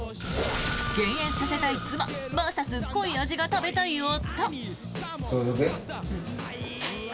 減塩させたい妻ＶＳ濃い味が食べたい夫。